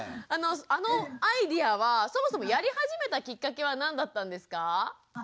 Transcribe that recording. あのアイデアはそもそもやり始めたきっかけは何だったんですか？